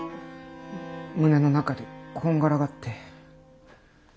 胸の中でこんがらがって。